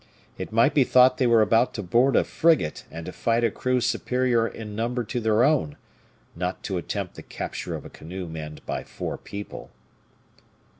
It might be thought they were about to board a frigate and to fight a crew superior in number to their own, not to attempt the capture of a canoe manned by four people.